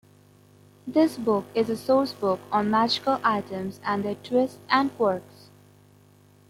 This book is a sourcebook on magical items and their twists and quirks.